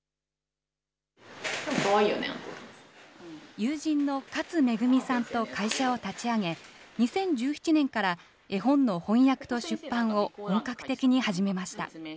友人の勝恵美さんと会社を立ち上げ、２０１７年から絵本の翻訳と出版を本格的に始めました。